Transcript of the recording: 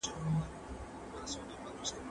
دا څېړنه ډېر علمي ارزښت لري.